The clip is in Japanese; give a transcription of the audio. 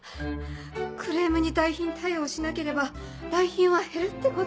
クレームに代品対応しなければ代品は減るってこと。